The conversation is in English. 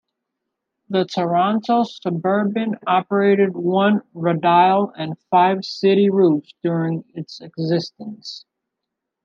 The Toronto Suburban operated one radial and five city routes during its existence.